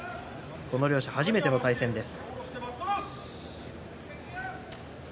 両者初めての対戦です。